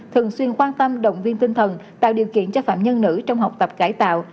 thường xuyên quan tâm động viên tinh thần tạo điều kiện cho phạm nhân nữ trong học tập cải tạo